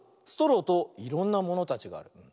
ストローといろんなものたちがある。